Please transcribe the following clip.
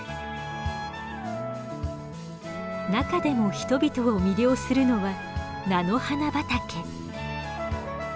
中でも人々を魅了するのは菜の花畑。